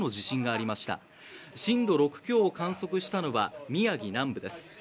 震度６強を観測したのは宮城南部です。